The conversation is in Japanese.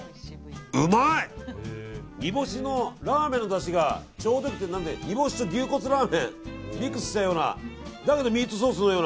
煮干しのラーメンのだしがちょうどよくて煮干しと牛骨ラーメンミックスしたようなだけどミートソースのような。